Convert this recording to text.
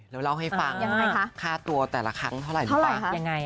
แล้วเล่าให้ฟังค่าตัวแต่ละครั้งเท่าไหร่รู้ป่ะ